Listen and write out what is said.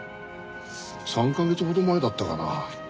３カ月ほど前だったかな。